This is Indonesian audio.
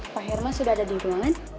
pak herma sudah ada di ruangan